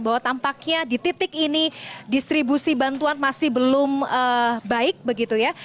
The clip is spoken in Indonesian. bahwa tampaknya di titik ini distribusi bantuan masih belum baik begitu ya